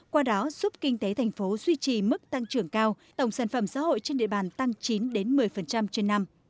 qua đó giúp kinh tế thành phố duy trì mức tăng trưởng cao tổng sản phẩm xã hội trên địa bàn tăng chín một mươi trên năm